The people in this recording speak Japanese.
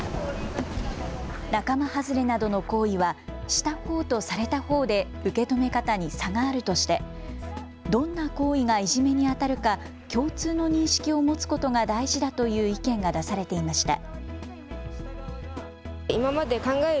仲間はずれなどの行為はしたほうとされたほうで受け止め方に差があるとしてどんな行為がいじめにあたるか共通の認識を持つことが大事だという意見が出されていました。